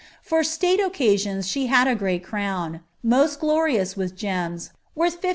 For state oc« cauons she had a great crown, most glorious with gems, worth 1500